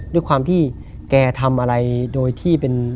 ด้วยความที่แกทำอะไรโดยที่เป็น